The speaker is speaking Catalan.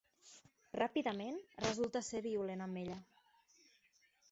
Ràpidament, resulta ser violent amb ella.